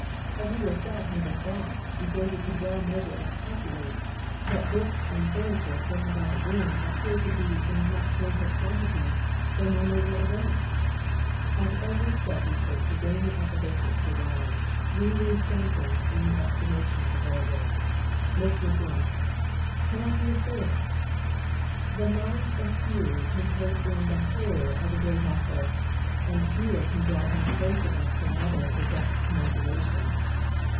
Have you yourself never thought, before you I BARRO W AND NE WTON. 2oi could well measure and calculate, that books and furniture thrown about a room appeared to be in much greater quantities than when they were arranged 1 At every step we take to gain the approbation of the wise, we lose some thing in the estimation of the vulgar. Look within: cannot we afford it 1 The minds of few can take in the whole of a great author, and fewer can draw him close enough to another for just commensuration.